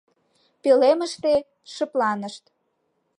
Пӧлемыште шыпланышт.